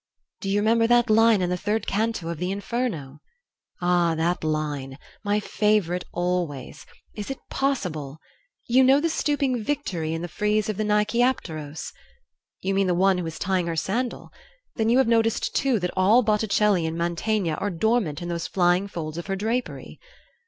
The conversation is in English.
"Do you remember that line in the third canto of the 'Inferno?'" "Ah, that line my favorite always. Is it possible " "You know the stooping Victory in the frieze of the Nike Apteros?" "You mean the one who is tying her sandal? Then you have noticed, too, that all Botticelli and Mantegna are dormant in those flying folds of her drapery?"